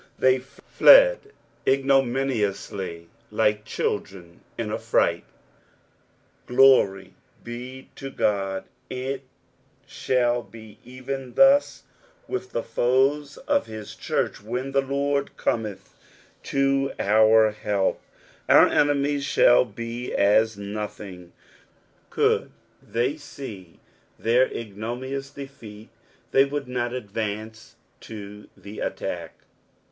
They fled ignominiously, like children in a fright. Glory ne to Ood, it shall be even thus with the foes of his church ; wheii the Lord cometh 404 ExposiTioirs of the psaucb. to onr help, onr enemiea shall be as nothhig. Coold they foresee thai igDOmioioiu defeat, they vould not adrance to the attack.